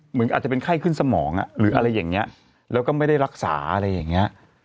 เหมือนอาจจะเป็นไข้ขึ้นสมองหรืออะไรอย่างนี้แล้วก็ไม่ได้รักษาอะไรอย่างเงี้ย